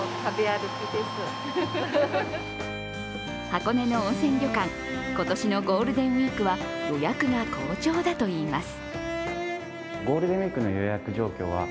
箱根の温泉旅館、今年のゴールデンウイークは予約が好調だといいます。